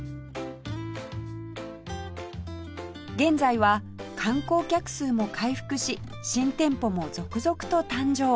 現在は観光客数も回復し新店舗も続々と誕生